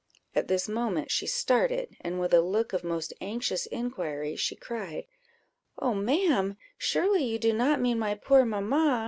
At this moment she started, and, with a look of most anxious inquiry, she cried "Oh, ma'am! surely you do not mean my poor mamma?